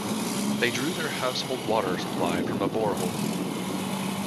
They drew their household water supply from a borehole.